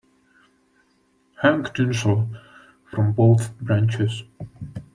Hang tinsel from both branches.